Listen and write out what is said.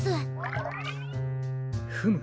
フム。